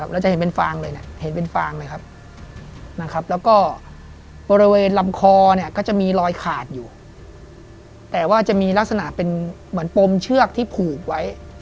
แล้วก็บริเวณลำคอก็จะมีรอยขาดอยู่แต่ว่าจะมีลักษณะเป็นเหมือนปมเชือกที่ผูกไว้